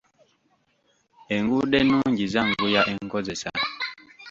Enguudo ennungi zanguya enkozesa.